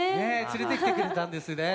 つれてきてくれたんですね。